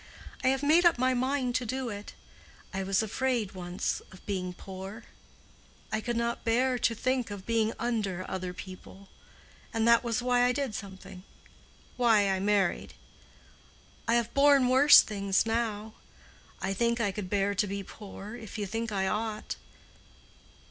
I have made up my mind to do it. I was afraid once of being poor; I could not bear to think of being under other people; and that was why I did something—why I married. I have borne worse things now. I think I could bear to be poor, if you think I ought.